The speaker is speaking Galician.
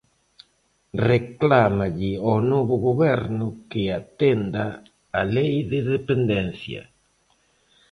Reclámalle ao novo Goberno que atenda a Lei de dependencia.